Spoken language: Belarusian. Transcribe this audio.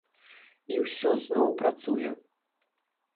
І ўсё зноў працуе.